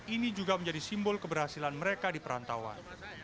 ini juga menjadi simbol keberhasilan mereka di perantauan